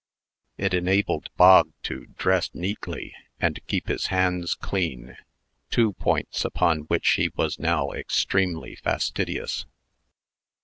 It enabled Bog to dress neatly, and keep his hands clean two points upon which he was now extremely fastidious.